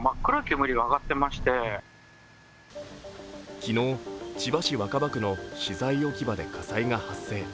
昨日、千葉市若葉区の資材置き場で火災が発生。